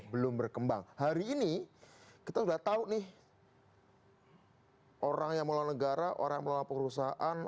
belum berkembang hari ini kita sudah tahu nih orang yang mengelola negara orang mengelola perusahaan